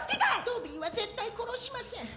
ドビーは絶対殺しません